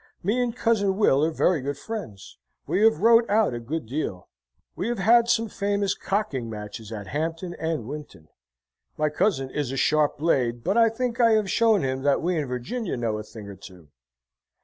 Me and Cousin Will are very good friends. We have rode out a good deal. We have had some famous cocking matches at Hampton and Winton. My cousin is a sharp blade, but I think I have shown him that we in Virginia know a thing or two.